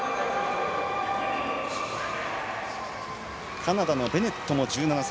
カナダのベネットも１７歳。